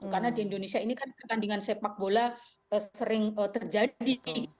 karena di indonesia ini kan pertandingan sepak bola sering terjadi